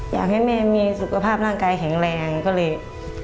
อยากให้แม่มีสุขภาพร่างกายแข็งแรงก็เลย